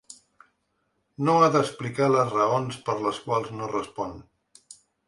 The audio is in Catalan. No ha d’explicar les raons per les quals no respon.